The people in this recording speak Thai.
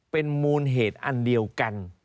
เป็นมูลเหตุอันเดียวกัน